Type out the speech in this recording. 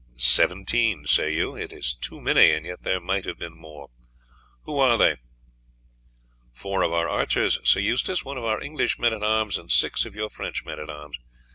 Seventeen, say you? It is too many; and yet there might have been more. Who are they?" "Four of our archers, Sir Eustace, one of our English men at arms, and six of your French men at arms.